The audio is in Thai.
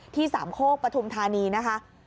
สามโคกปฐุมธานีนะคะ